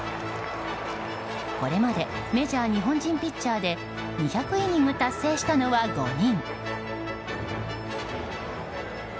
これまでメジャー日本人ピッチャーで２００イニング達成したのは５人。